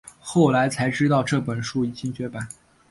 后来才知道这本书已经绝版